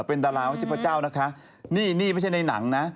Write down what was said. เป็นดาราไม่ใช่พระเจ้านะคะนี่นี่ไม่ใช่ในหนังนะ